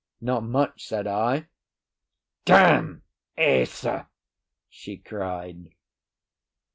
"Not much," said I. "D n Ese!" she cried.